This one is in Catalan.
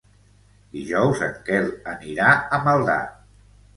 Dijous en Quel anirà a Maldà.